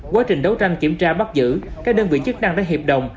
quá trình đấu tranh kiểm tra bắt giữ các đơn vị chức năng đã hiệp đồng